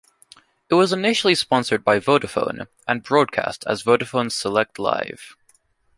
It was initially sponsored by Vodafone and broadcast as Vodafone Select Live.